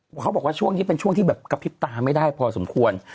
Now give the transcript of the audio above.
เขาบอกว่าช่วงนี้เป็นช่วงที่แบบกระพริบตาไม่ได้พอสมควร